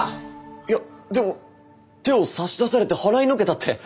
いやでも手を差し出されて払いのけたって。